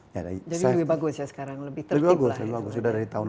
jadi lebih bagus ya sekarang